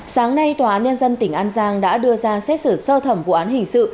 sáng nay tòa án nhân dân tỉnh an giang đã đưa ra xét xử sơ thẩm vụ án hình sự